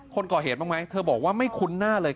คนก่อเหตุบ้างไหมเธอบอกว่าไม่คุ้นหน้าเลย